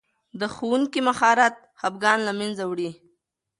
د ښوونکي مهارت خفګان له منځه وړي.